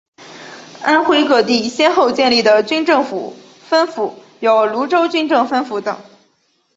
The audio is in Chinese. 安徽各地先后建立的军政分府有庐州军政分府等。